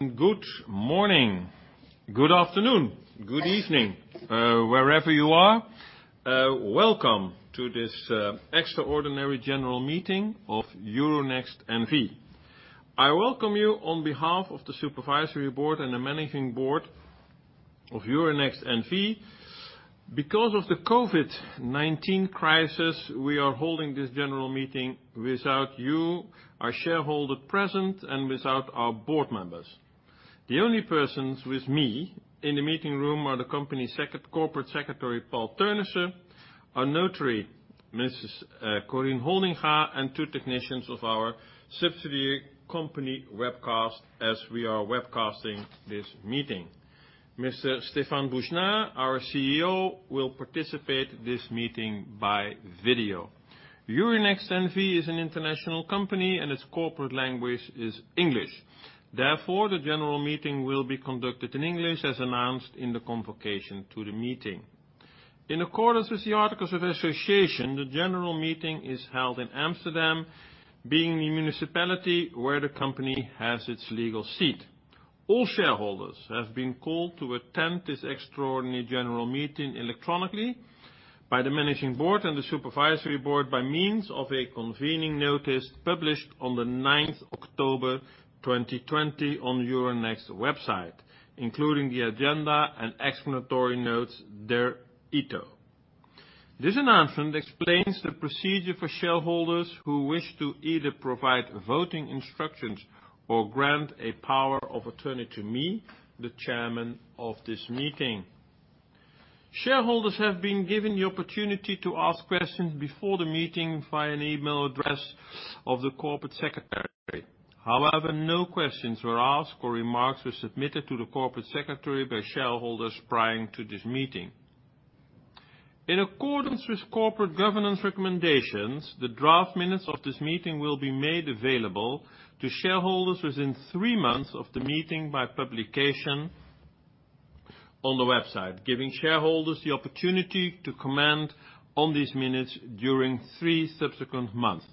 Good morning, good afternoon, good evening, wherever you are. Welcome to this extraordinary general meeting of Euronext N.V. I welcome you on behalf of the supervisory board and the managing board of Euronext N.V. Because of the COVID-19 crisis, we are holding this general meeting without you, our shareholder present, and without our board members. The only persons with me in the meeting room are the company's corporate secretary, Paul Theunissen, our notary, Mrs. Corinne Holdinga, and two technicians of our subsidiary Company Webcast, as we are webcasting this meeting. Mr. Stéphane Boujnah, our CEO, will participate this meeting by video. Euronext N.V. is an international company and its corporate language is English. Therefore, the general meeting will be conducted in English as announced in the convocation to the meeting. In accordance with the Articles of Association, the general meeting is held in Amsterdam, being the municipality where the company has its legal seat. All shareholders have been called to attend this extraordinary general meeting electronically by the managing board and the supervisory board by means of a convening notice published on the ninth of October 2020 on Euronext website, including the agenda and explanatory notes, thereto. This announcement explains the procedure for shareholders who wish to either provide voting instructions or grant a power of attorney to me, the chairman of this meeting. Shareholders have been given the opportunity to ask questions before the meeting via an email address of the corporate secretary. However, no questions were asked or remarks were submitted to the corporate secretary by shareholders prior to this meeting. In accordance with corporate governance recommendations, the draft minutes of this meeting will be made available to shareholders within three months of the meeting by publication on the website, giving shareholders the opportunity to comment on these minutes during three subsequent months.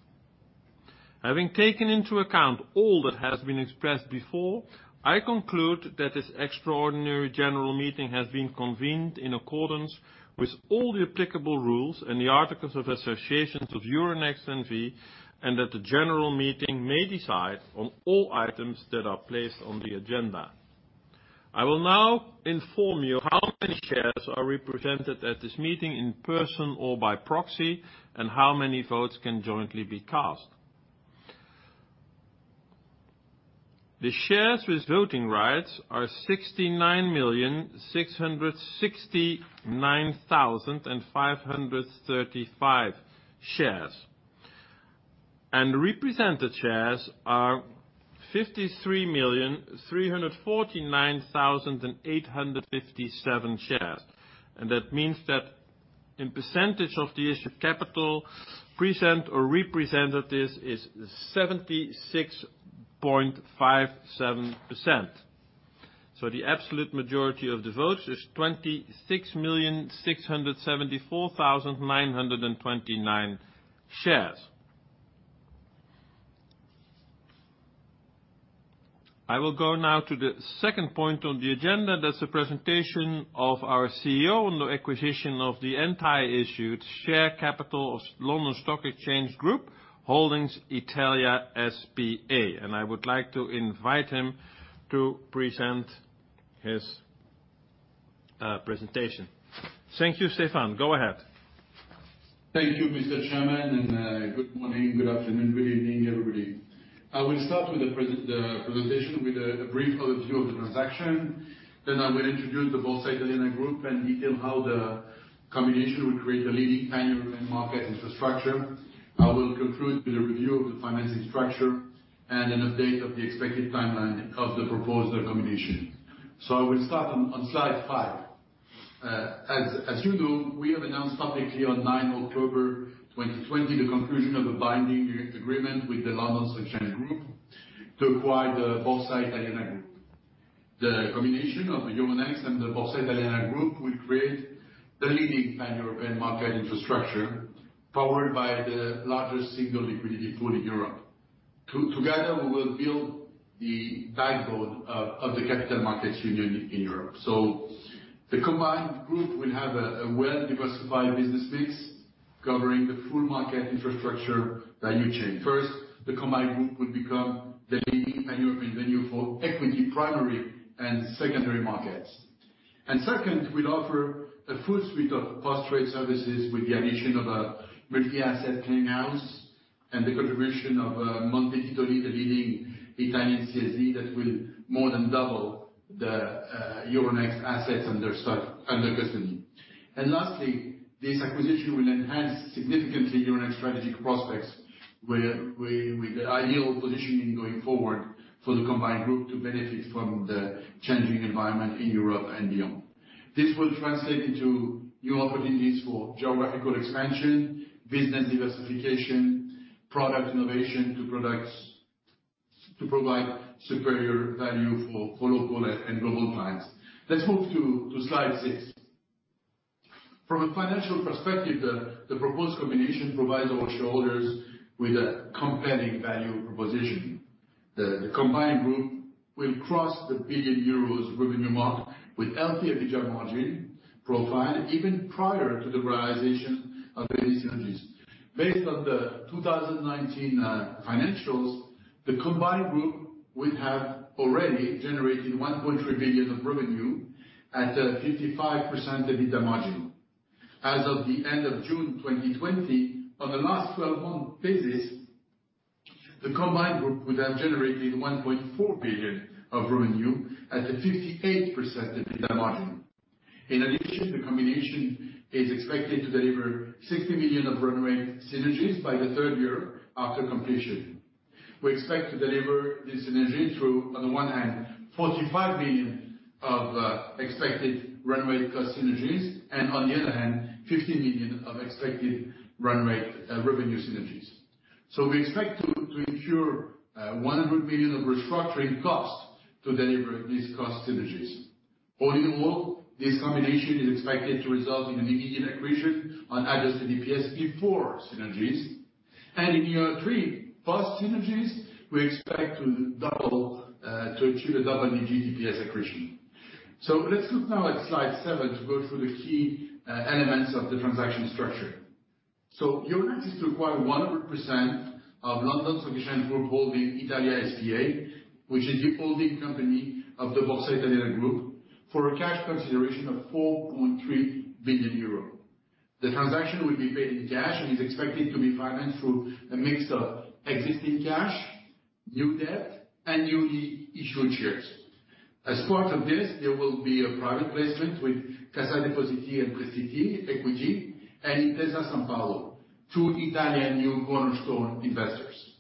Having taken into account all that has been expressed before, I conclude that this extraordinary general meeting has been convened in accordance with all the applicable rules and the Articles of Association of Euronext N.V., and that the general meeting may decide on all items that are placed on the agenda. I will now inform you how many shares are represented at this meeting in person or by proxy, and how many votes can jointly be cast. The shares with voting rights are 69 million, 669,535 shares, represented shares are 53 million, 349,857 shares. That means that in percentage of the issued capital, present or represented, this is 76.57%. The absolute majority of the votes is 26 million, 674,929 shares. I will go now to the second point on the agenda. That's the presentation of our CEO on the acquisition of the entire issued share capital of London Stock Exchange Group Holdings Italia S.p.A. I would like to invite him to present his presentation. Thank you, Stéphane. Go ahead. Thank you, Mr. Chairman. Good morning, good afternoon, good evening, everybody. I will start with the presentation with a brief overview of the transaction. I will introduce the Borsa Italiana Group and detail how the combination will create a leading Pan-European market infrastructure. I will conclude with a review of the financing structure and an update of the expected timeline of the proposed acquisition. I will start on slide five. As you know, we have announced publicly on ninth October 2020, the conclusion of a binding agreement with the London Stock Exchange Group to acquire the Borsa Italiana Group. The combination of the Euronext and the Borsa Italiana Group will create the leading Pan-European market infrastructure powered by the largest single liquidity pool in Europe. Together, we will build the backbone of the Capital Markets Union in Europe. The combined group will have a well-diversified business mix covering the full market infrastructure value chain. First, the combined group will become the leading Pan-European venue for equity primary and secondary markets. Second, we'll offer a full suite of post-trade services with the addition of a multi-asset clearing house and the contribution of Monte Titoli, the leading Italian CSD that will more than double the Euronext assets under custody. Lastly, this acquisition will enhance significantly Euronext's strategic prospects with the ideal positioning going forward for the combined group to benefit from the changing environment in Europe and beyond. This will translate into new opportunities for geographical expansion, business diversification, product innovation to provide superior value for local and global clients. Let's move to slide six. From a financial perspective, the proposed combination provides our shareholders with a compelling value proposition. The combined group will cross the 1 billion euros revenue mark with healthy EBITDA margin profile even prior to the realization of any synergies. Based on the 2019 financials, the combined group would have already generated 1.3 billion of revenue at a 55% EBITDA margin. As of the end of June 2020, on a last 12-month basis, the combined group would have generated 1.4 billion of revenue at a 58% EBITDA margin. In addition, the combination is expected to deliver 60 million of run rate synergies by the third year after completion. We expect to deliver this synergy through, on the one hand, 45 million of expected run rate cost synergies, and on the other hand, 15 million of expected run rate revenue synergies. We expect to incur 100 million of restructuring costs to deliver these cost synergies. All in all, this combination is expected to result in an immediate accretion on adjusted EPS before synergies, and in year three post synergies, we expect to achieve a double-digit EPS accretion. Let's look now at slide seven to go through the key elements of the transaction structure. Euronext is to acquire 100% of London Stock Exchange Group Holding Italia S.p.A., which is the holding company of the Borsa Italiana group, for a cash consideration of 4.3 billion euro. The transaction will be paid in cash and is expected to be financed through a mix of existing cash, new debt and newly issued shares. As part of this, there will be a private placement with Cassa Depositi e Prestiti Equity and Intesa Sanpaolo, two Italian new cornerstone investors.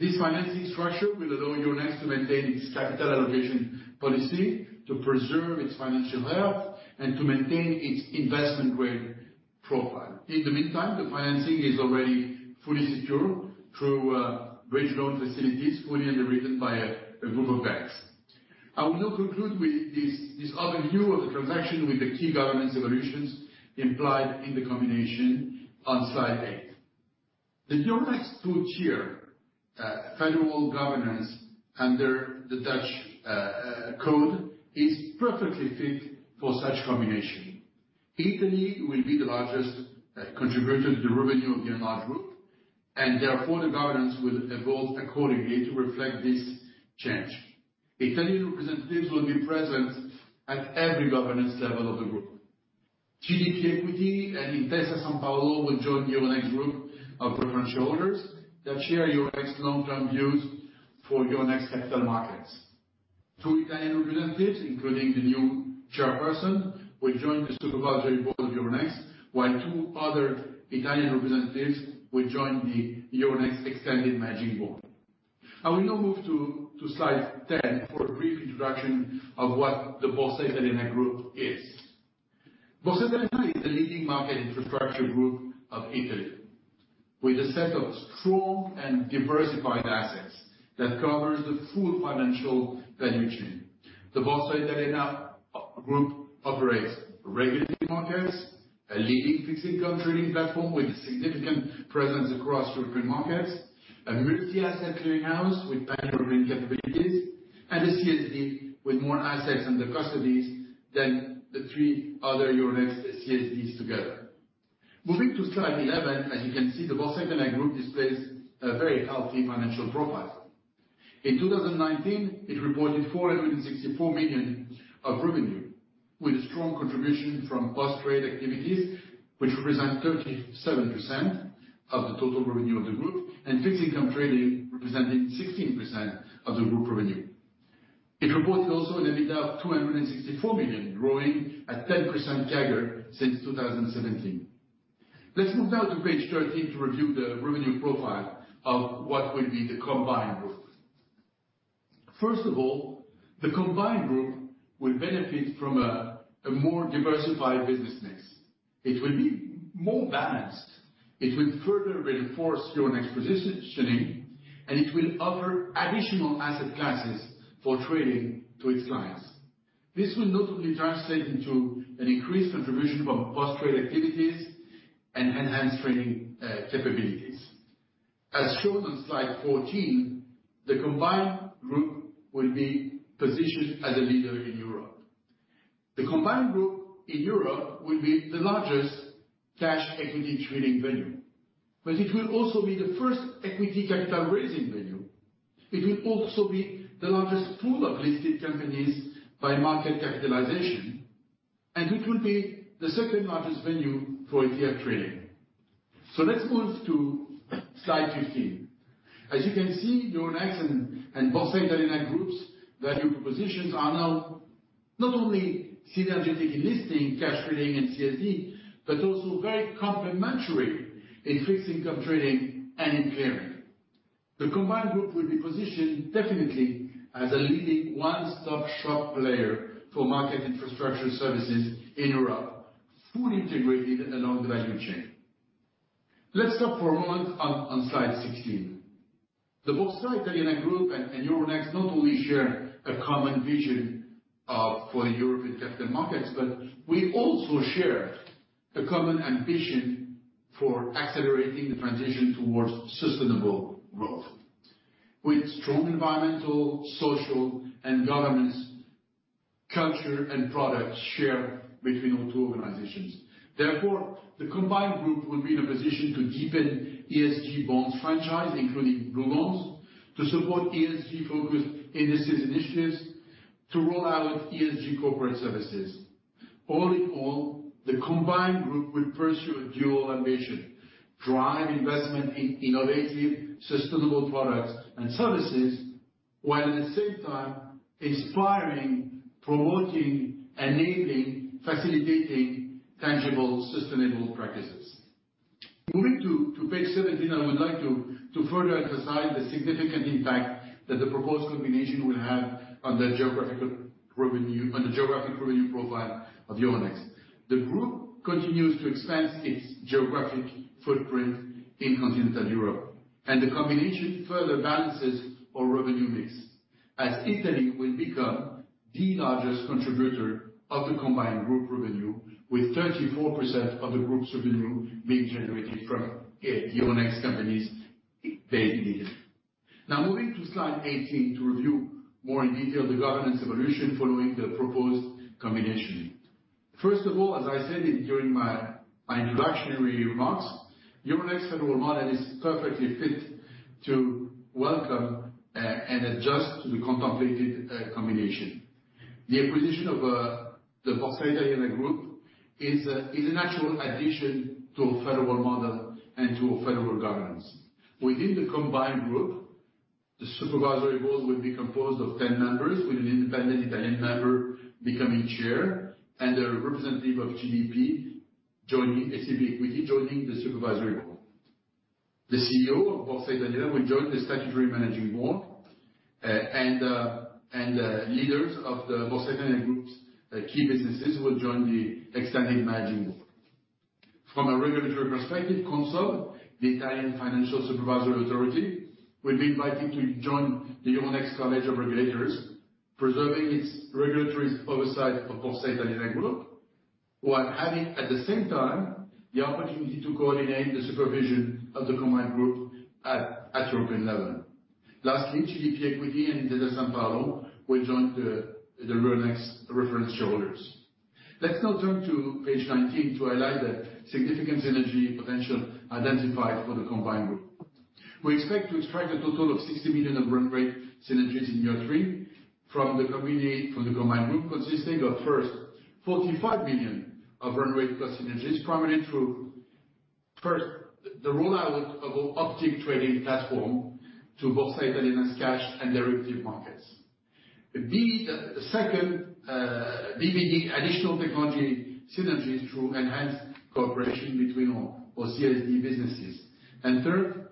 This financing structure will allow Euronext to maintain its capital allocation policy, to preserve its financial health, and to maintain its investment grade profile. In the meantime, the financing is already fully secure through bridge loan facilities fully underwritten by a group of banks. I will now conclude with this other view of the transaction with the key governance evolutions implied in the combination on slide eight. The Euronext two-tier federal governance under the Dutch Code is perfectly fit for such combination. Italy will be the largest contributor to the revenue of the enlarged group, and therefore the governance will evolve accordingly to reflect this change. Italian representatives will be present at every governance level of the group. CDP Equity and Intesa Sanpaolo will join Euronext group of preferential holders that share Euronext's long-term views for Euronext Capital Markets. Two Italian representatives, including the new chairperson, will join the supervisory board of Euronext, while two other Italian representatives will join the Euronext extended managing board. I will now move to slide 10 for a brief introduction of what the Borsa Italiana group is. Borsa Italiana is the leading market infrastructure group of Italy, with a set of strong and diversified assets that covers the full financial value chain. The Borsa Italiana group operates regulated markets, a leading fixed income trading platform with a significant presence across European markets, a multi-asset clearing house with pan-European capabilities, and a CSD with more assets under custody than the three other Euronext CSDs together. Moving to slide 11, as you can see, the Borsa Italiana group displays a very healthy financial profile. In 2019, it reported 464 million of revenue, with strong contribution from post-trade activities, which represent 37% of the total revenue of the group, and fixed income trading representing 16% of the group revenue. It reported also an EBITDA of 264 million, growing at 10% CAGR since 2017. Let's move now to page 13 to review the revenue profile of what will be the combined group. First of all, the combined group will benefit from a more diversified business mix. It will be more balanced. It will further reinforce Euronext's positioning, and it will offer additional asset classes for trading to its clients. This will notably translate into an increased contribution from post-trade activities and enhanced trading capabilities. As shown on slide 14, the combined group will be positioned as a leader in Europe. The combined group in Europe will be the largest cash equity trading venue, but it will also be the first equity capital raising venue. It will also be the largest pool of listed companies by market capitalization, and it will be the second largest venue for ETF trading. Let's move to slide 15. As you can see, Euronext and Borsa Italiana groups' value propositions are now not only synergetic in listing, cash trading and CSD, but also very complementary in fixed income trading and in clearing. The combined group will be positioned definitely as a leading one-stop shop player for market infrastructure services in Europe, fully integrated along the value chain. Let's stop for a moment on slide 16. The Borsa Italiana Group and Euronext not only share a common vision for the European Capital Markets, we also share a common ambition for accelerating the transition towards sustainable growth, with strong environmental, social, and governance culture and products shared between our two organizations. Therefore, the combined group will be in a position to deepen ESG bonds franchise, including blue bonds, to support ESG-focused indices initiatives, to roll out ESG corporate services. All in all, the combined group will pursue a dual ambition, drive investment in innovative, sustainable products and services, while at the same time inspiring, promoting, enabling, facilitating tangible, sustainable practices. Moving to page 17, I would like to further emphasize the significant impact that the proposed combination will have on the geographic revenue profile of Euronext. The group continues to expand its geographic footprint in continental Europe, and the combination further balances our revenue mix, as Italy will become the largest contributor of the combined group revenue, with 34% of the group's revenue being generated from Euronext companies based in Italy. Now, moving to slide 18 to review more in detail the governance evolution following the proposed combination. First of all, as I said it during my introductory remarks, Euronext federal model is perfectly fit to welcome, and adjust to the contemplated combination. The acquisition of the Borsa Italiana Group is an actual addition to a federal model and to a federal governance. Within the combined group, the supervisory board will be composed of 10 members, with an independent Italian member becoming chair, and a representative of CDP Equity joining the supervisory board. The CEO of Borsa Italiana will join the statutory managing board, and leaders of the Borsa Italiana group's key businesses will join the extended managing board. From a regulatory perspective, Consob, the Italian Financial Supervisory Authority, will be invited to join the Euronext College of Regulators, preserving its regulatory oversight of Borsa Italiana group, while having, at the same time, the opportunity to coordinate the supervision of the combined group at European level. Lastly, CDP Equity and Intesa Sanpaolo will join the Euronext reference shareholders. Let's now turn to page 19 to highlight the significant synergy potential identified for the combined group. We expect to extract a total of 60 million of run rate synergies in year three from the combined group, consisting of, first, 45 million of run rate cost synergies, primarily through, first, the rollout of our Optiq trading platform to Borsa Italiana's cash and derivative markets. Second, bringing additional technology synergies through enhanced cooperation between our CSD businesses. Third,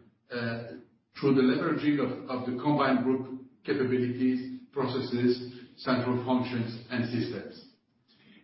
through the leveraging of the combined group capabilities, processes, central functions, and systems.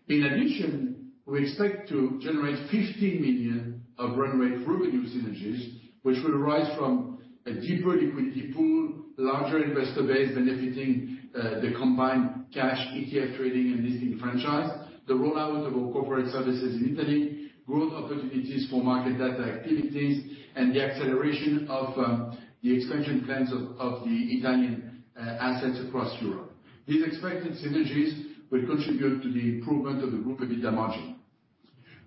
In addition, we expect to generate 15 million of run rate revenue synergies, which will rise from a deeper liquidity pool, larger investor base benefiting the combined cash ETF trading and listing franchise, the rollout of our corporate services in Italy, growth opportunities for market data activities, and the acceleration of the expansion plans of the Italian assets across Europe. These expected synergies will contribute to the improvement of the group EBITDA margin.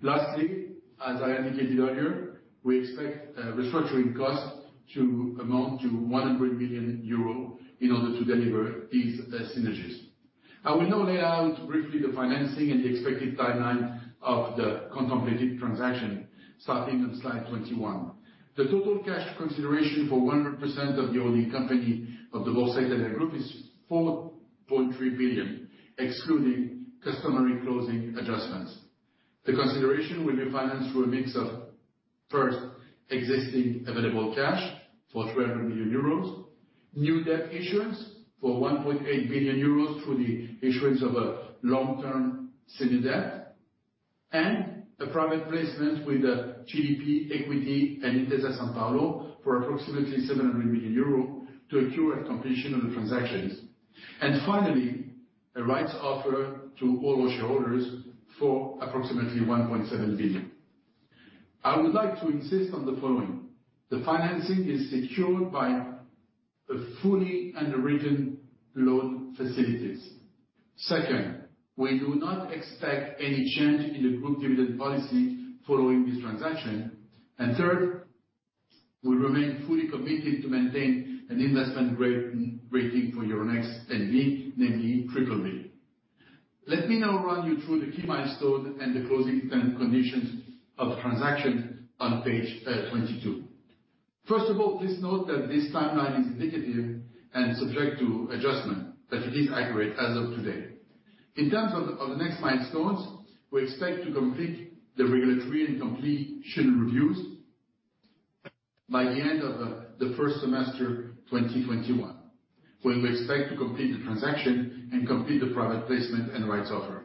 Lastly, as I indicated earlier, we expect restructuring costs to amount to 100 million euro in order to deliver these synergies. I will now lay out briefly the financing and the expected timeline of the contemplated transaction, starting on slide 21. The total cash consideration for 100% of the holding company of the Borsa Italiana Group is 4.3 billion, excluding customary closing adjustments. The consideration will be financed through a mix of, first, existing available cash for 300 million euros, new debt issuance for 1.8 billion euros through the issuance of a long-term senior debt, and a private placement with the CDP Equity and Intesa Sanpaolo for approximately 700 million euros to occur at completion of the transactions. Finally, a rights offer to all our shareholders for approximately 1.7 billion. I would like to insist on the following. The financing is secured by a fully underwritten loan facilities. Second, we do not expect any change in the group dividend policy following this transaction. Third, we remain fully committed to maintain an investment rating for Euronext N.V. namely [BBB]. Let me now run you through the key milestone and the closing terms conditions of transaction on page 22. First of all, please note that this timeline is indicative and subject to adjustment, but it is accurate as of today. In terms of the next milestones, we expect to complete the regulatory and completion reviews by the end of the first semester 2021, when we expect to complete the transaction and complete the private placement and rights offer.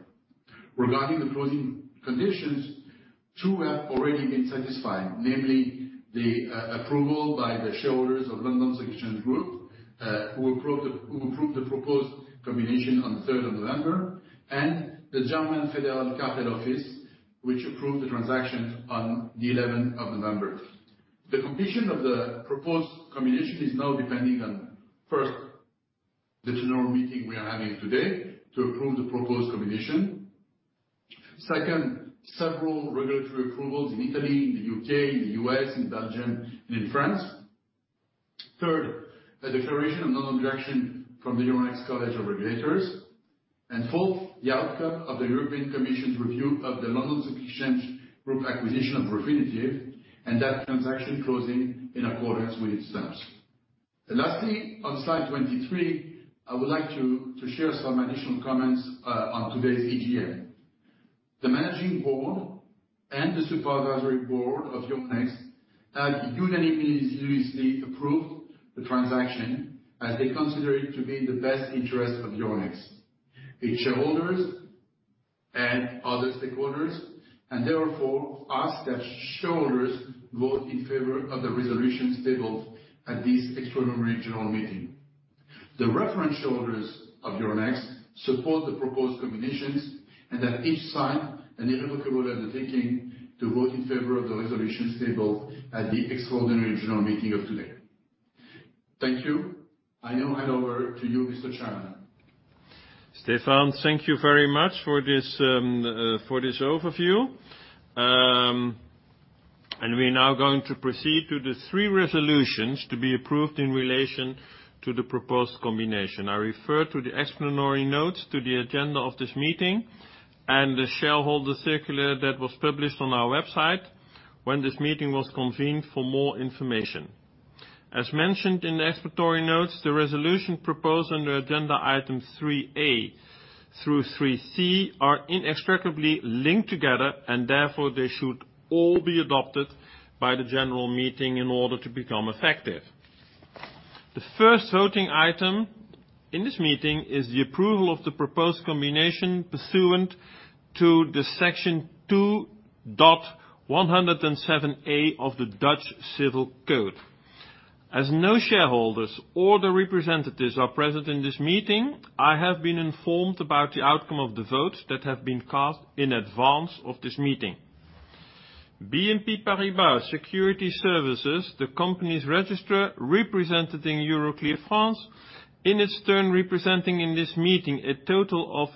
Regarding the closing conditions, two have already been satisfied, namely the approval by the shareholders of London Stock Exchange Group, who approved the proposed combination on 3rd of November, and the German Federal Cartel Office, which approved the transaction on the 11th of November. The completion of the proposed combination is now depending on, first, the general meeting we are having today to approve the proposed combination. Second, several regulatory approvals in Italy, in the U.K., in the U.S., in Belgium, and in France. Third, a declaration of non-objection from the Euronext College of Regulators. Fourth, the outcome of the European Commission's review of the London Stock Exchange Group acquisition of Refinitiv, and that transaction closing in accordance with its terms. Lastly, on slide 23, I would like to share some additional comments on today's EGM. The managing board and the supervisory board of Euronext have unanimously approved the transaction as they consider it to be in the best interest of Euronext, its shareholders, and other stakeholders, and therefore, ask that shareholders vote in favor of the resolutions tabled at this extraordinary general meeting. The referenced shareholders of Euronext support the proposed combinations, and have each signed an irrevocable undertaking to vote in favor of the resolutions tabled at the extraordinary general meeting of today. Thank you. I now hand over to you, Mr. Chairman. Stéphane, thank you very much for this overview. We're now going to proceed to the three resolutions to be approved in relation to the proposed combination. I refer to the explanatory notes to the agenda of this meeting and the shareholder circular that was published on our website when this meeting was convened for more information. As mentioned in the explanatory notes, the resolution proposed under agenda item 3A through 3C are inextricably linked together, therefore, they should all be adopted by the general meeting in order to become effective. The first voting item in this meeting is the approval of the proposed combination pursuant to the Article 2:107a of the Dutch Civil Code. As no shareholders or their representatives are present in this meeting, I have been informed about the outcome of the votes that have been cast in advance of this meeting. BNP Paribas Securities Services, the company's registrar, represented in Euroclear France, in its turn, representing in this meeting a total of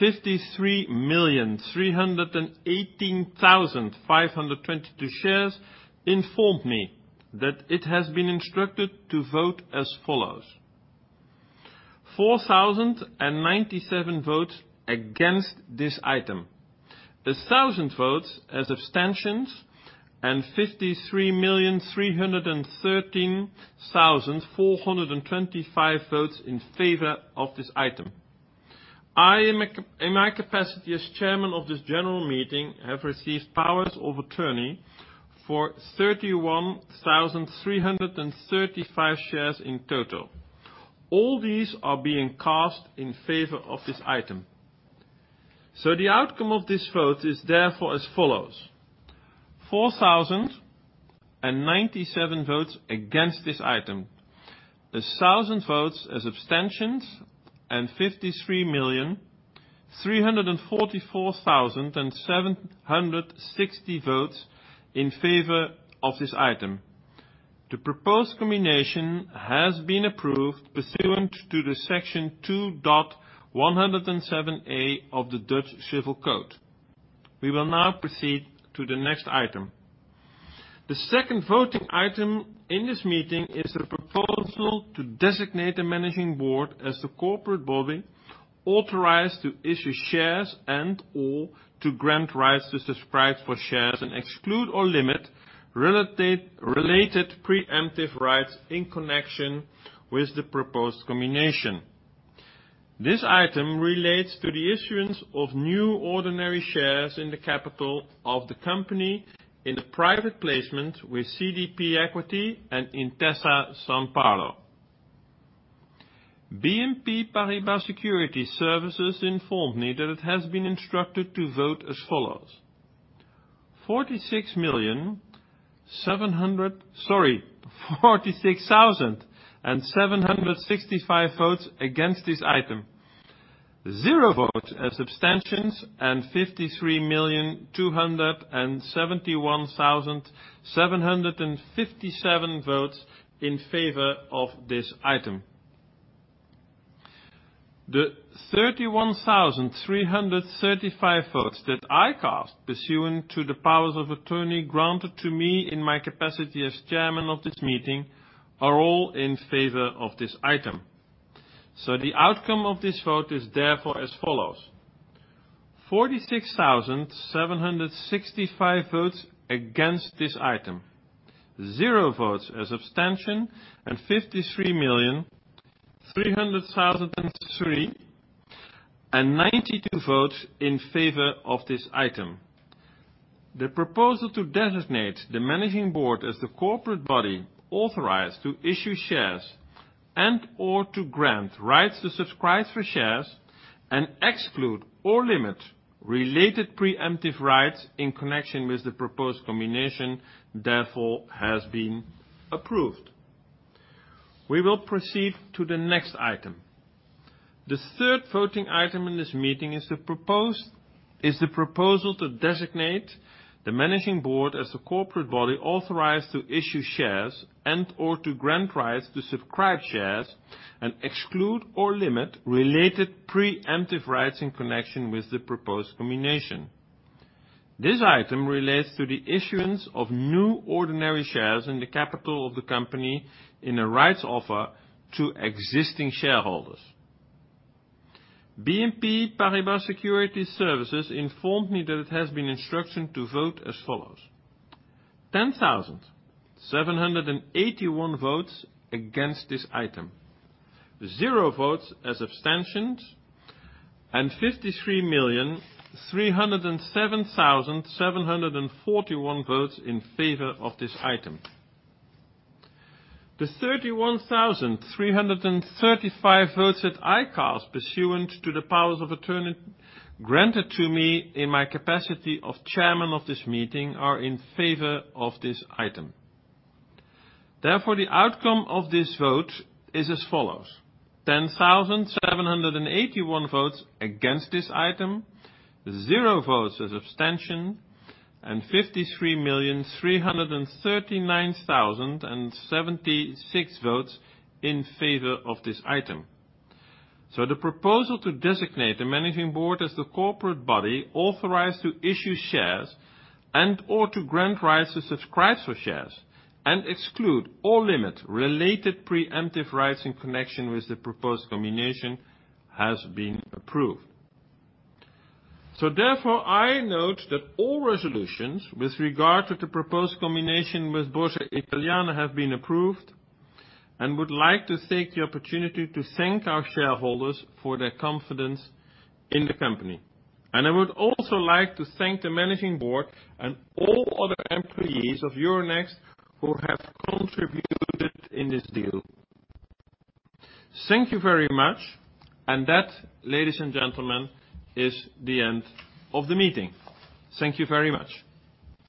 53,318,522 shares, informed me that it has been instructed to vote as follows. 4,097 votes against this item, 1,000 votes as abstentions, and 53,313,425 votes in favor of this item. I, in my capacity as chairman of this general meeting, have received powers of attorney for 31,335 shares in total. All these are being cast in favor of this item. The outcome of this vote is therefore as follows. 4,097 votes against this item, 1,000 votes as abstentions, and 53,344,760 votes in favor of this item. The proposed combination has been approved pursuant to the Article 2:107a of the Dutch Civil Code. We will now proceed to the next item. The second voting item in this meeting is a proposal to designate a managing board as the corporate body authorized to issue shares and/or to grant rights to subscribe for shares and exclude or limit related preemptive rights in connection with the proposed combination. This item relates to the issuance of new ordinary shares in the capital of the company in a private placement with CDP Equity and Intesa Sanpaolo. BNP Paribas Securities Services informed me that it has been instructed to vote as follows. 46,765 votes against this item, zero votes as abstentions, and 53,271,757 votes in favor of this item. The 31,335 votes that I cast pursuant to the powers of attorney granted to me in my capacity as chairman of this meeting are all in favor of this item. The outcome of this vote is therefore as follows. 46,765 votes against this item, zero votes as abstention, and 53,303,092 votes in favor of this item. The proposal to designate the managing board as the corporate body authorized to issue shares and or to grant rights to subscribe for shares and exclude or limit related preemptive rights in connection with the proposed combination, therefore, has been approved. We will proceed to the next item. The third voting item in this meeting is the proposal to designate the managing board as the corporate body authorized to issue shares and or to grant rights to subscribe shares and exclude or limit related preemptive rights in connection with the proposed combination. This item relates to the issuance of new ordinary shares in the capital of the company in a rights offer to existing shareholders. BNP Paribas Securities Services informed me that it has been instructed to vote as follows, 10,781 votes against this item, zero votes as abstentions, and 53,307,741 votes in favor of this item. The 31,335 votes that I cast pursuant to the powers of attorney granted to me in my capacity of chairman of this meeting are in favor of this item. Therefore, the outcome of this vote is as follows, 10,781 votes against this item, zero votes as abstention, and 53,339,076 votes in favor of this item. The proposal to designate the managing board as the corporate body authorized to issue shares and or to grant rights to subscribe for shares and exclude or limit related preemptive rights in connection with the proposed combination has been approved. Therefore, I note that all resolutions with regard to the proposed combination with Borsa Italiana have been approved and would like to take the opportunity to thank our shareholders for their confidence in the company. I would also like to thank the Managing Board and all other employees of Euronext who have contributed in this deal. Thank you very much. That, ladies and gentlemen, is the end of the meeting. Thank you very much.